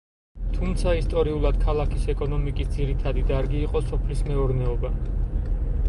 თუმცა, ისტორიულად ქალაქის ეკონომიკის ძირითადი დარგი იყო სოფლის მეურნეობა.